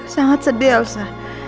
sangat sedih elsa